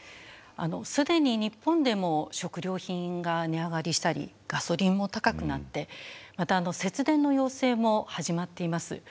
既に日本でも食料品が値上がりしたりガソリンも高くなってまた節電の要請も始まっています。